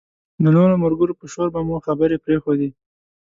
د نورو ملګرو په شور به مو خبرې پرېښودې.